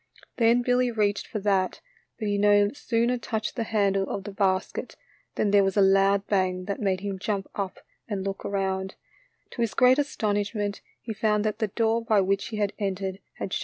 Then Billy reached for that, but he no sooner touched the handle of the basket than there was a loud bang that made him jump up and look around ; to his great astonishment he found that the door by which he had entered had shut.